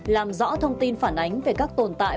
làm rõ thông tin phản ánh về các tồn tại